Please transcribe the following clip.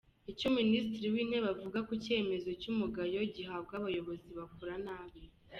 Icyo Minisitiri w’Intebe avuga ku cyemezo cy’umugayo gihabwa abayobozi bakora nabi